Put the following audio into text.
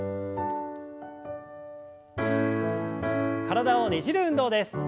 体をねじる運動です。